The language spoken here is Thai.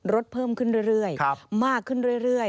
เพิ่มขึ้นเรื่อยมากขึ้นเรื่อย